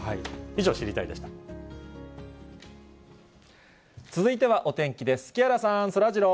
以上、続いてはお天気です。